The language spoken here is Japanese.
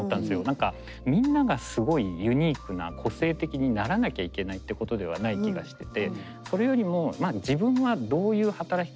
何かみんながすごいユニークな個性的にならなきゃいけないってことではない気がしてて。